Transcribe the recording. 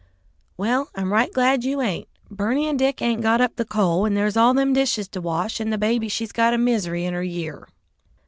"Well, I'm right glad you ain't. Berney and Dick ain't got up the coal, and there's all them dishes to wash, and the baby she's got a misery in her year."